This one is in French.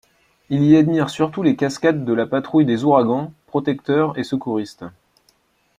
Il y admire surtout les cascades de la patrouille des Ouragans, protecteurs et secouristes.